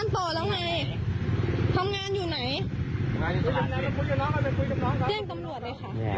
ทำงานอยู่ไหน